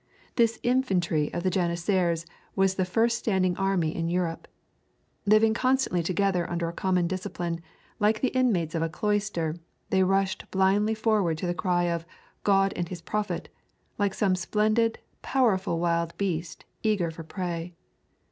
This infantry of the janissaries was the first standing army in Europe. Living constantly together under a common discipline, like the inmates of a cloister, they rushed blindly forward to the cry of "God and his Prophet" like some splendid, powerful wild beast, eager for prey.